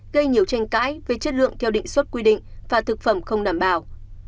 gây nhiều tranh cãi về chất lượng theo định xuất quy định và thực phẩm không đảm bảo